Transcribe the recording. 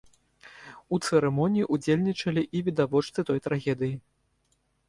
У цырымоніі ўдзельнічалі і відавочцы той трагедыі.